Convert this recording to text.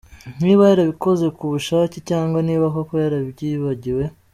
niba yarabikoze ku bushake cyangwa niba koko yarabyibagiwe.